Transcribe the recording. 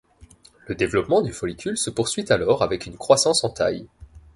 Le développement du follicule se poursuit alors avec une croissance en taille.